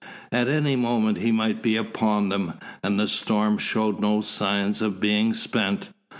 At any moment he might be upon them. And the storm showed no signs of being spent.